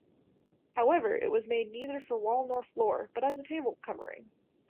However, it was made neither for wall nor floor, but as a table covering.